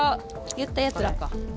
言ったやつらか。